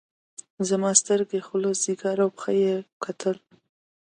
زما سترګې خوله ځيګر او پښه يې کتل.